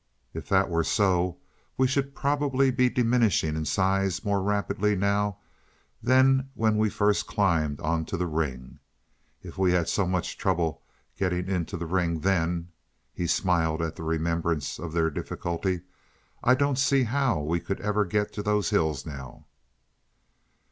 If that were so we should probably be diminishing in size more rapidly now than when we first climbed on to the ring. If we had so much trouble getting to the ring then" he smiled at the remembrance of their difficulty "I don't see how we could ever get to those hills now."